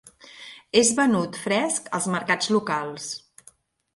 És venut fresc als mercats locals.